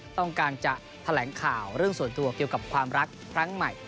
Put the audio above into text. ต้องการจะแถลงข่าวเรื่องส่วนตัวเกี่ยวกับความรักครั้งใหม่